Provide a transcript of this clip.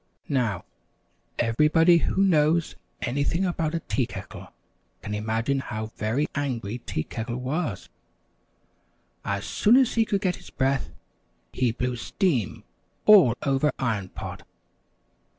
Now, everybody who knows anything about a tea kettle can imagine how very angry Tea Kettle was. As soon as he could get his breath, he blew steam all over Iron Pot.